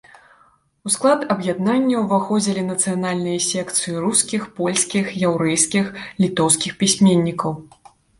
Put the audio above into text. У склад аб'яднання ўваходзілі нацыянальныя секцыі рускіх, польскіх, яўрэйскіх, літоўскіх пісьменнікаў.